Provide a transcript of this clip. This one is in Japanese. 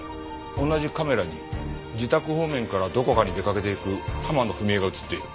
同じカメラに自宅方面からどこかに出かけていく浜野文恵が映っている。